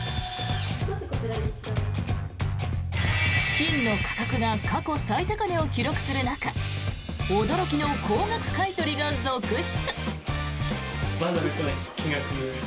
金の価格が過去最高値を記録する中驚きの高額買い取りが続出。